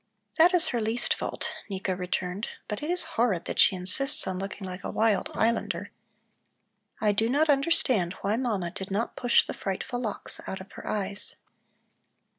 "That is her least fault," Nika returned. "But it is horrid that she insists on looking like a wild islander. I do not understand why Mama did not push the frightful locks out of her eyes."